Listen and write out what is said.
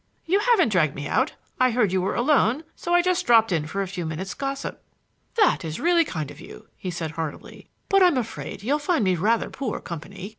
"You haven't dragged me out. I heard you were alone, so I just dropped in for a few minutes' gossip." "That is really kind of you," he said heartily. "But I'm afraid you'll find me rather poor company.